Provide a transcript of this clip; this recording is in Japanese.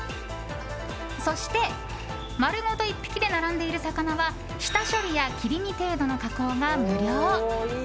そして丸ごと１匹で並んでいる魚は下処理や切り身程度の加工が無料。